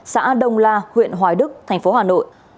xã đông la huyện hoài đức thành phố hà nội